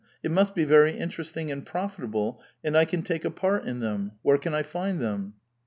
It must be very interest ing and profitable ; and I can take a part in them. Where can I find them